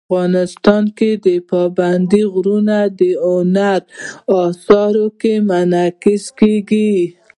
افغانستان کې پابندي غرونه په هنري اثارو کې منعکس کېږي.